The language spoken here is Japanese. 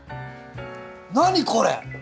何これ？